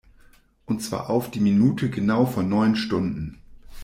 Und zwar auf die Minute genau vor neun Stunden.